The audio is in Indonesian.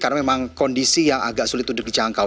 karena memang kondisi yang agak sulit untuk dijangkau